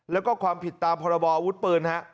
แล้วก็ความผิดตามพรบออาวุธปืนฮะ